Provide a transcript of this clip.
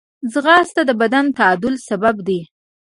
ځغاسته د بدن د تعادل سبب ده